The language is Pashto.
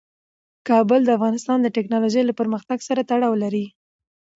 کابل د افغانستان د تکنالوژۍ له پرمختګ سره تړاو لري.